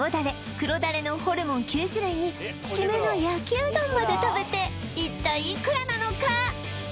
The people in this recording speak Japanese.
黒ダレのホルモン９種類にシメの焼きうどんまで食べて一体いくらなのか？